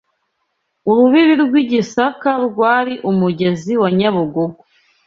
urubibi rw’i Gisaka rwari umugezi wa Nyabugogo